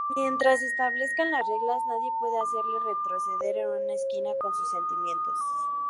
Mientras establezcan las reglas, nadie puede hacerles retroceder en una esquina con sus sentimientos.